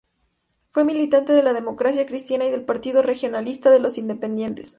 Fue militante de la Democracia Cristiana y del Partido Regionalista de los Independientes.